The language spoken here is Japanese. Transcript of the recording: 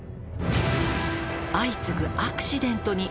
「相次ぐアクシデントに」